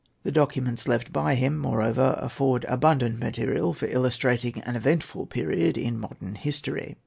The documents left by him, moreover, afford abundant material for illustrating an eventful period in modern history.